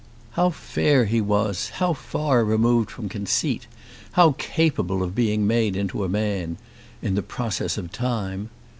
How fair he was, how far removed from conceit, how capable of being made into a man in the process of time!